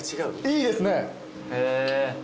いいですね。